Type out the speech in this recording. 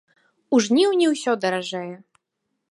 У жніўні усё даражэе.